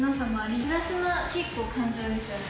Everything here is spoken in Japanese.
プラスな結構、感情ですよね。